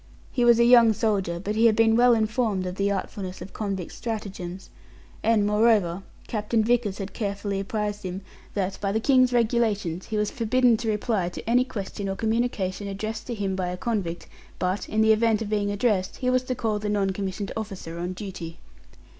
He was a young soldier, but he had been well informed of the artfulness of convict stratagems; and, moreover, Captain Vickers had carefully apprised him "that by the King's Regulations, he was forbidden to reply to any question or communication addressed to him by a convict, but, in the event of being addressed, was to call the non commissioned officer on duty."